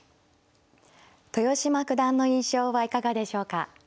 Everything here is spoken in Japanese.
豊島九段の印象はいかがでしょうか。